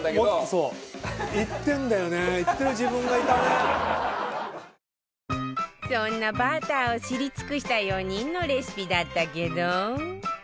そんなバターを知り尽くした４人のレシピだったけど